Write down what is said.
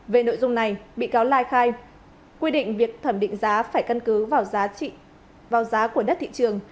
về nội dung này bị cáo lai khai quy định việc thẩm định giá phải cân cứ vào giá của đất thị trường